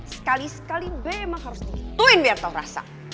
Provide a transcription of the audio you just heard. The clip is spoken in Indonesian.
sekali sekali memang harus dikituin biar tau rasa